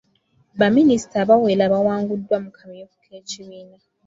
Baminisita abawera bawanguddwa mu kamyufu k'ekibiina.